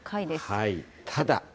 ただ。